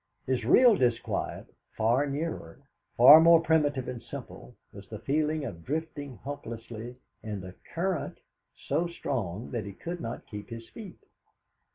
His real disquiet, far nearer, far more primitive and simple, was the feeling of drifting helplessly in a current so strong that he could not keep his feet.